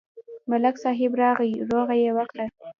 ملک صاحب راغی، روغه یې وکړه.